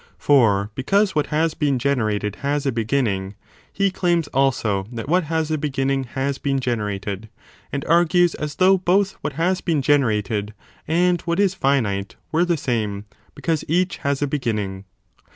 For because what has been generated has a beginning, he claims also that what has a beginning has been generated, and argues as though both what has been generated and what is finite 3 were the same because each has a beginning.